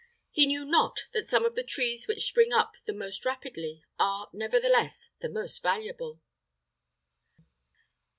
He knew not that some of the trees which spring up the most rapidly are nevertheless the most valuable.